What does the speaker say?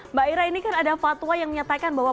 mbak ira ini kan ada fatwa yang menyatakan bahwa